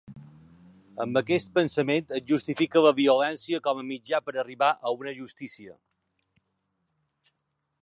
Amb aquest pensament es justifica la violència com a mitjà per arribar a una justícia.